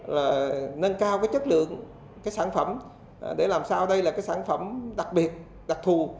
là nâng cao cái chất lượng cái sản phẩm để làm sao đây là cái sản phẩm đặc biệt đặc thù